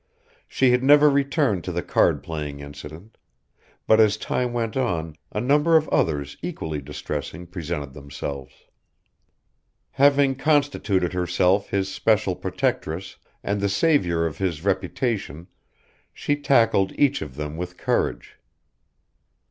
She had never returned to the card playing incident; but as time went on a number of others equally distressing presented themselves. Having constituted herself his special protectress and the saviour of his reputation she tackled each of them with courage.